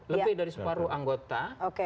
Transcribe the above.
lebih dari separuh anggota